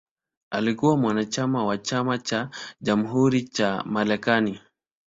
Alikuwa mwanachama wa Chama cha Jamhuri cha Marekani.